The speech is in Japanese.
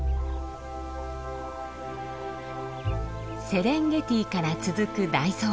セレンゲティから続く大草原。